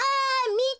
みて！